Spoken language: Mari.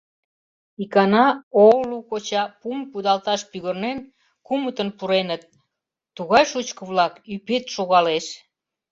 Икана Оолу-коча пум кудалташ пӱгырнен, кумытын пуреныт, тугай шучко-влак, ӱпет шогалеш.